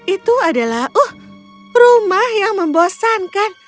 itu adalah oh rumah yang membosankan